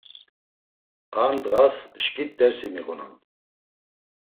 Ar ndğas şkit dersi miğunan.